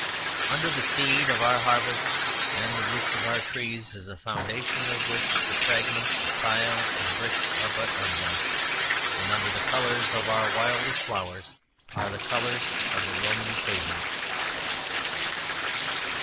Under the seed of our harvests and the roots of our trees is a foundation of which the fragments of tile and brick are but emblems; and under the colours of our wildest flowers are the colours of a Roman pavement.